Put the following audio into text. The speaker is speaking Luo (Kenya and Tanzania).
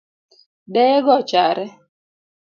Deye go ochare